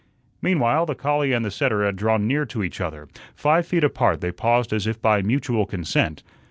Meanwhile, the collie and the setter had drawn near to each other; five feet apart they paused as if by mutual consent.